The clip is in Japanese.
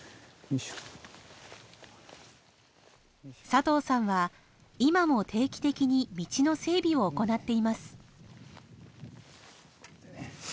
佐藤さんは今も定期的に道の整備を行っています。